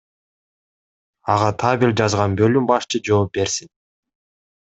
Ага табель жазган бөлүм башчы жооп берсин.